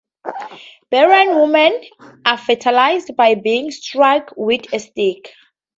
Barren women are fertilized by being struck with a stick.